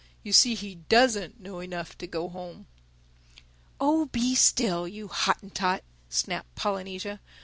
You see he doesn't know enough to go home." "Oh, be still, you Hottentot!" snapped Polynesia.